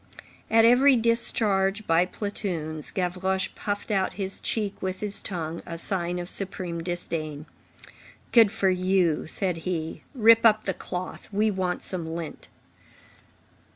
At every discharge by platoons, Gavroche puffed out his cheek with his tongue, a sign of supreme disdain. "Good for you," said he, "rip up the cloth. We want some lint."